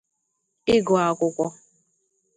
ịgụ akwụkwọ